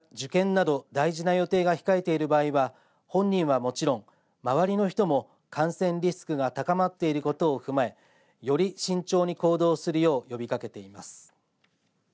県は大規模な感染の波が続いているとしてこれから受験など大事な予定が控えている場合は本人は、もちろん、周りの人も感染リスクが高まっていることを踏まえより慎重に行動するよう呼びかけています。